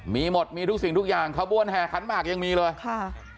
มีหมดมีทุกสิ่งทุกอย่างขบวนแห่ขันหมากยังมีเลยค่ะ